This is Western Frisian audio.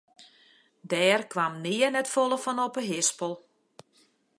Dêr kaam nea net folle fan op de hispel.